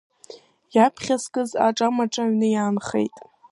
Иааԥхьаскыз аҿамаҿа аҩны иаанхеит.